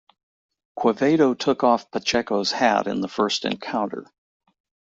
Quevedo took off Pacheco's hat in the first encounter.